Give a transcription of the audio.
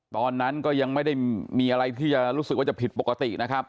ตอนนั้นก็ยังไม่ได้มีอะไรที่จะรู้สึกว่าจะผิดปกตินะครับ